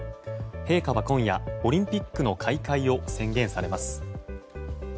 陛下は今夜オリンピックの開会を宣言されます。